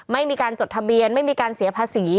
ไม่มีการจดทะเบียนไม่มีการเสียภาษี